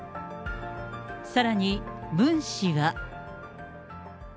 さらに、ムン氏は。